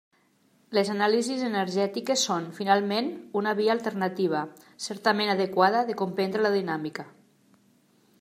Les anàlisis energètiques són, finalment, una via alternativa, certament adequada, de comprendre la Dinàmica.